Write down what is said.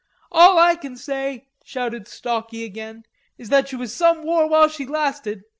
"All I can say," shouted Stalky again, "is that she was some war while she lasted....